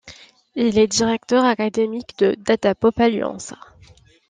Il est directeur académique de Data-Pop Alliance.